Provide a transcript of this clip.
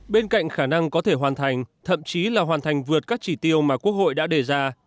bên cạnh khả năng có thể hoàn thành thậm chí là hoàn thành vượt các chỉ tiêu mà quốc hội đã đề ra